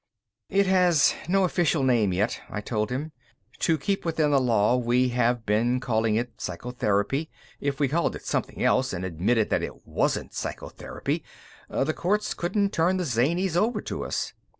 "It has no official name yet," I told him. "To keep within the law, we have been calling it psychotherapy. If we called it something else, and admitted that it isn't psychotherapy, the courts couldn't turn the zanies over to us.